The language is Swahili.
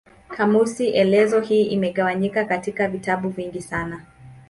Kamusi elezo hii imegawanyika katika vitabu vingi sana.